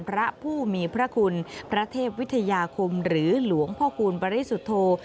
พระผู้มีพระคุณพระเทพวิทยาคมหรือหลวงพ่อคูณบริสุทธโธ